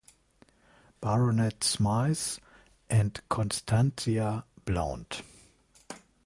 Baronet Smythe, und Constantia Blount.